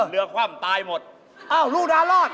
เรือความตายหมดเอ้าลูกดาลรอด